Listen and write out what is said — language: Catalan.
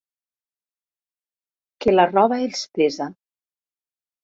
Que la roba els pesa.